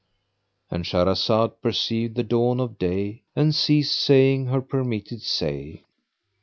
—And Shahrazad perceived the dawn of day and ceased saying her permitted say.